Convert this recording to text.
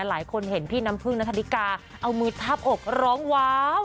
หลายคนเห็นพี่น้ำพึ่งนัทธิกาเอามือทับอกร้องว้าว